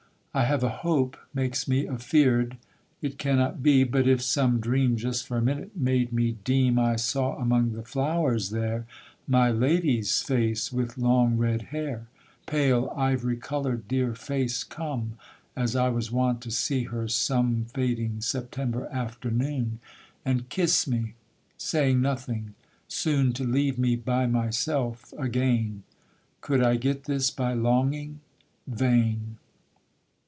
I have a hope makes me afeard: It cannot be, but if some dream Just for a minute made me deem I saw among the flowers there My lady's face with long red hair, Pale, ivory colour'd dear face come, As I was wont to see her some Fading September afternoon, And kiss me, saying nothing, soon To leave me by myself again; Could I get this by longing? vain!